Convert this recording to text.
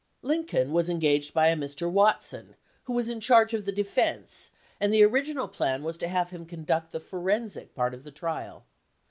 Lincoln was engaged by a Mr. Watson, who was in charge of the defense, and the original plan was to have him conduct the forensic part of the trial.